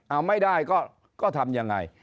เอาไม่ได้ก็ทำยังไง